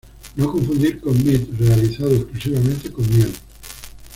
No confundir con "mead", realizado exclusivamente con miel.